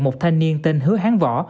một thanh niên tên hứa hán võ